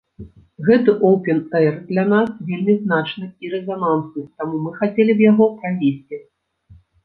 Гэты оўпэн-эйр для нас вельмі значны і рэзанансны, таму мы хацелі б яго правесці.